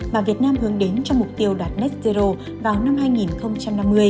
mà việt nam hướng đến cho mục tiêu đạt net zero vào năm hai nghìn năm mươi